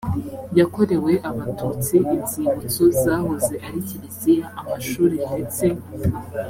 yakorewe abatutsi inzibutso zahoze ari kiliziya amashuri ndetse